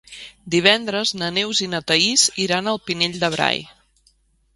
Divendres na Neus i na Thaís iran al Pinell de Brai.